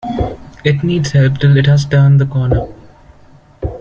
It needs help till it has turned the corner.